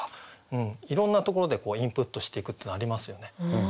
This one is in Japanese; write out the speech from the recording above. いろんなところでインプットしていくっていうのはありますよね。